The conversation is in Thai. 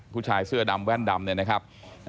ผู้ชายเสื้อดำแว่นดำเนี่ยนะครับ